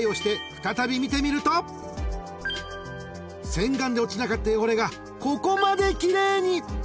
［洗顔で落ちなかった汚れがここまで奇麗に］